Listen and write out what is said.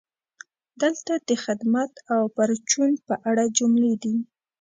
دلته د "خدمت او پرچون" په اړه جملې دي: